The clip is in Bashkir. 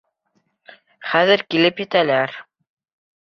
Хәҙер килеп етәләр.